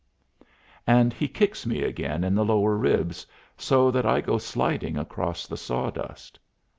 And he kicks me again in the lower ribs, so that I go sliding across the sawdust.